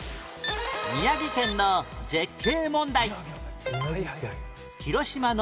宮城県の絶景問題